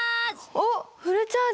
おっフルチャージ！